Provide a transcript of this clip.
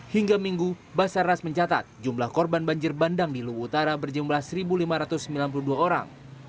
hingga minggu basarnas mencatat jumlah korban banjir bandang di lubu utara berjumlah satu lima ratus sembilan puluh dua orang